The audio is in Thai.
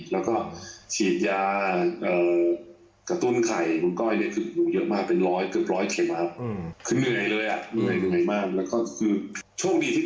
แล้วก็ฉีดยากต้นไข่หรือคุณก้อยดี